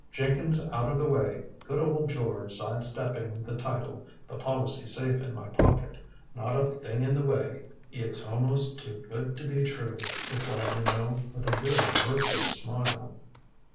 Jenkins out of the way, good old George side stepping the title, the policy safe in my pocket. Not a thing in the way!" "It's almost too good to be true," replied Minot, with a very mirthless smile.